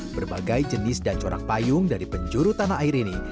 berbagai jenis dan corak payung dari penjuru tanah air ini